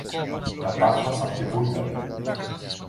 Κατάφθασαν και Βούλγαροι.